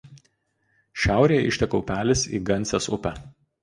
Šiaurėje išteka upelis į Gansės upę.